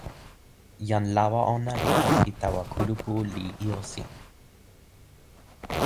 jan lawa ona li toki tawa kulupu li ijo sin: